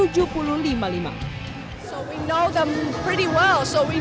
jadi kita mengenal mereka dengan baik